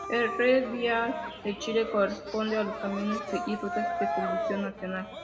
La red vial de Chile corresponde a los caminos y rutas de jurisdicción nacional.